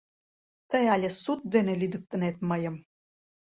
Тый але суд дене лӱдыктынет мыйым!